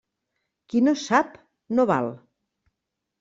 Qui no sap, no val.